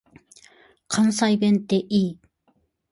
関西弁って良い。